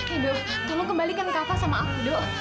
edo tolong kembalikan kava sama aku do